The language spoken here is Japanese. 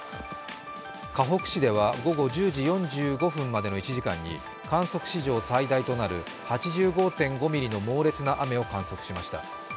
かほく市では午後１０時４５分までの１時間に観測史上最大となる８５．５ミリの猛烈な雨を観測しました。